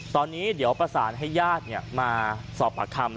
ตอนนี้เดี๋ยวประสานให้ญาติมาสอบปากคำ